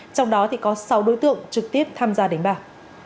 trong đó có sáu đối tượng trực tiếp tham gia đánh bạc